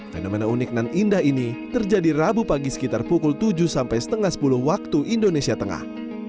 fenomena unik dan indah ini terjadi rabu pagi sekitar pukul tujuh sampai setengah sepuluh waktu indonesia tengah